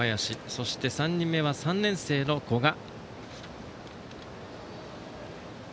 そして３人目は３年生の古賀。